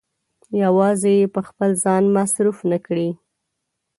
يوازې يې په خپل ځان مصرف نه کړي.